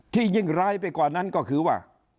ยิ่งร้ายไปกว่านั้นก็คือว่า